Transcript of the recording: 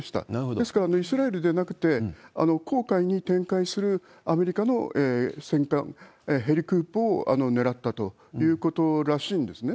ですからイスラエルでなくて、紅海に展開するアメリカの戦艦、ヘリ空母を狙ったということらしいんですね。